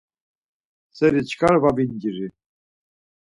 Seri çkar va vinciri.